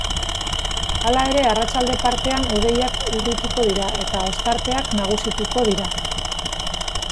Hala ere, arratsalde partean hodeiak urrituko dira, eta ostarteak nagusituko dira.